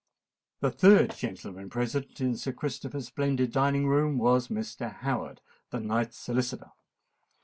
The third gentleman present in Sir Christopher's splendid dining room, was Mr. Howard, the knight's solicitor.